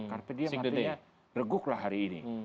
carpe diem artinya reguklah hari ini